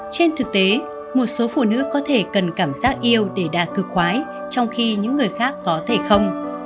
trên thực tế một số phụ nữ có thể cần cảm giác yêu để đà cực khoái trong khi những người khác có thể không